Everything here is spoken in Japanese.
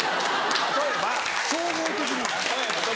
・例えば・総合的に。